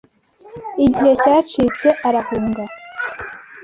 igihe cyacitse arahunga.